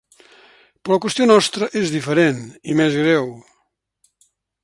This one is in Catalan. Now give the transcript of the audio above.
Però la qüestió nostra és diferent i més greu.